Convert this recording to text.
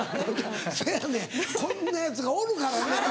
せやねんこんなヤツがおるからな。